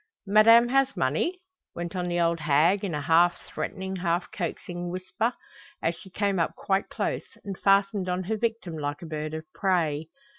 "Madame has money?" went on the old hag in a half threatening, half coaxing whisper, as she came up quite close, and fastened on her victim like a bird of prey.